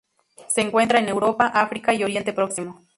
Se encuentra en Europa, África y Oriente Próximo.